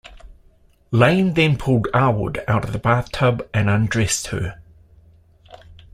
Lane then pulled Arwood out of the bathtub and undressed her.